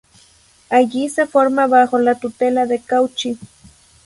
Allí se forma bajo la tutela de Cauchy.